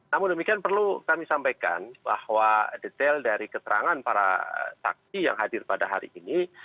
namun demikian perlu kami sampaikan bahwa detail dari keterangan para saksi yang hadir pada hari ini